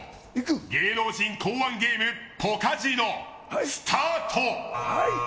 芸能人考案ゲームポカジノスタート！